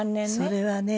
それはね